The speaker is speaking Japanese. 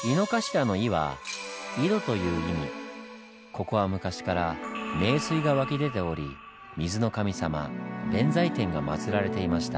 ここは昔から名水が湧き出ており水の神様弁財天が祭られていました。